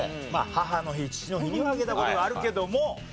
母の日父の日にはあげた事があるけども。